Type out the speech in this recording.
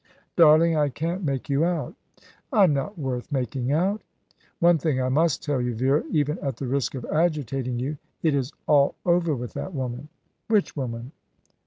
"Darling, I can't make you out." "I am not worth making out." "One thing I must tell you, Vera, even at the risk of agitating you. It is all over with that woman." "Which woman?"